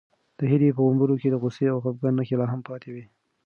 د هیلې په غومبورو کې د غوسې او خپګان نښې لا هم پاتې وې.